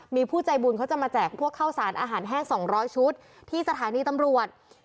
มีผู้ใจบุญเขาจะมาแจกพวกข้าวสารอาหารแห้ง๒๐๐ชุดที่สถานีตำรวจ